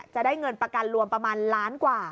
จะได้เงินประกันรวมประมาณล้านกว่า